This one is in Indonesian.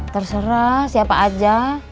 terserah siapa aja